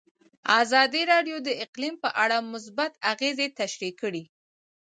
ازادي راډیو د اقلیم په اړه مثبت اغېزې تشریح کړي.